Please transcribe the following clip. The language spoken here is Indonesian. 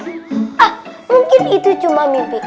ah mungkin itu cuma mimpi